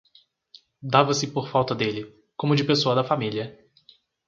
dava-se por falta dele, como de pessoa da família.